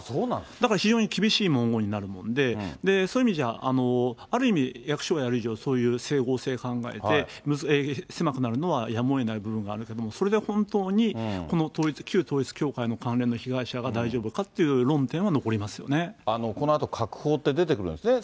だから非常に厳しい文言になるもので、そういう意味じゃ、ある意味、役所がやる以上、そういう整合性考えて、狭くなるのはやむをえない部分があるけれども、それで本当にこの旧統一教会の被害者が大丈夫かっていう論点は残このあと閣法って出てくるんですね。